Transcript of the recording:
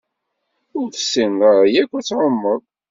Ur tessineḍ ara akk ad tɛumeḍ?